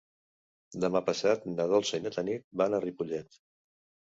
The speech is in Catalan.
Demà passat na Dolça i na Tanit van a Ripollet.